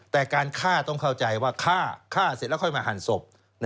แต่การฆ่าต้องเข้าใจว่าฆ่าฆ่าเสร็จแล้วค่อยมาหั่นศพ